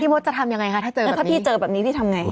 พี่พลสกับพี่เจอแบบนี้จะทำยังไง